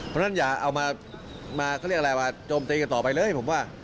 เพราะฉะนั้นอย่าเอามาเขาเรียกอะไรมาโจมตีกันต่อไปเลยผมว่า